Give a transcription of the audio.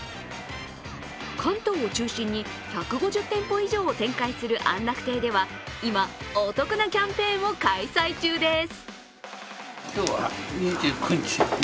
関東を中心に１５０店舗以上を展開する安楽亭では今、お得なキャンペーンを開催中です。